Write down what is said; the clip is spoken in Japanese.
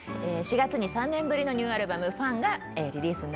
４月に３年ぶりのニューアルバム『ＦＵＮ』がリリースになりました。